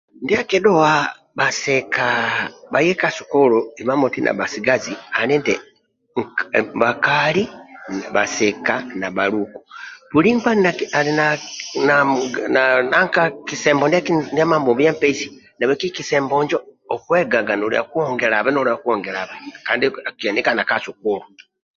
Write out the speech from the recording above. Ndia akidhuwa bhasika bhaye ka school imamoti na bhasigazi ali nti nka bhakali bhasika na bhaluku nti buli nkpa ali na na namuga na nanka kisembo ndiaki ndia Mambombi apesi nahabweki kisembo injo okwegaga nolia kwongelabe noliakwongelabe kandi akienikana ka school